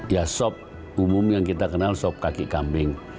ya sop umum yang kita kenal sop kaki kambing